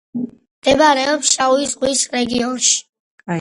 მდებარეობს შავი ზღვის რეგიონში.